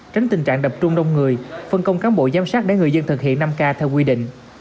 tránh tình trạng tập trung đông người phân công cán bộ giám sát để người dân thực hiện năm k theo quy định